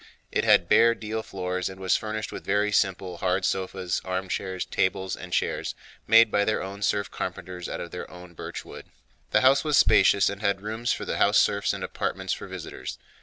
It had bare deal floors and was furnished with very simple hard sofas, armchairs, tables, and chairs made by their own serf carpenters out of their own birchwood. The house was spacious and had rooms for the house serfs and apartments for visitors.